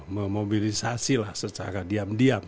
memobilisasilah secara diam diam